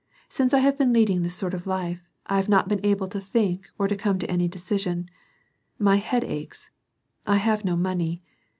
Since I have been leading this sort of life, I have not been able to think or to come to any decision. My head aches; I have no money.